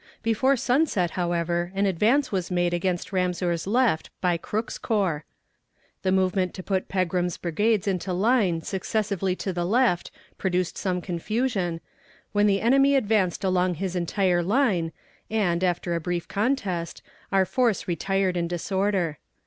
Before sunset, however, an advance was made against Ramseur's left by Crook's corps. The movement to put Pegram's brigades into line successively to the left produced some confusion, when the enemy advanced along his entire line, and, after a brief contest, our force retired in disorder.